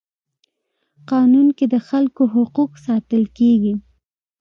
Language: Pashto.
قانون کي د خلکو حقوق ساتل کيږي.